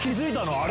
あれ？